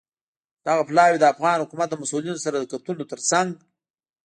دغه پلاوی د افغان حکومت له مسوولینو سره د کتنو ترڅنګ